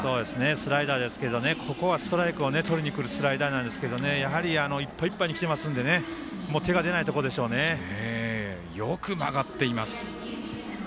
スライダーですけどここはストライクをとりにくるスライダーなんですけどいっぱいいっぱいにきてますんでねよく曲がっています。